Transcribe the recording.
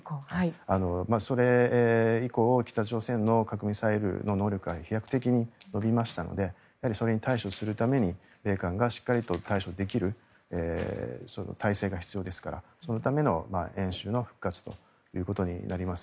それ以降北朝鮮の核・ミサイルの能力は飛躍的に伸びましたのでそれに対処するために米韓がしっかりと対処できる体制が必要ですからそのための演習の復活ということになります。